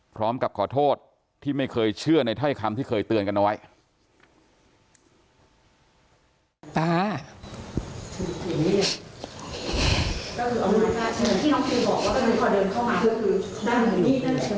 พร้อมกับขอโทษที่ไม่เคยเชื่อในถ้อยคำที่เคยเตือนกันไว้